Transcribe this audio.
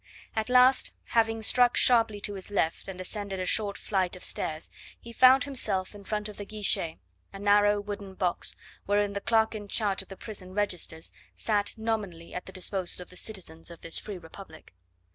At last, having struck sharply to his left and ascended a short flight of stairs, he found himself in front of the guichet a narrow wooden box, wherein the clerk in charge of the prison registers sat nominally at the disposal of the citizens of this free republic.